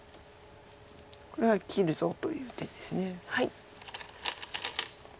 これは切るぞという手です。